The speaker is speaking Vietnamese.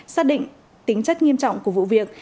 xác định tính chất nghiêm trọng của vụ việc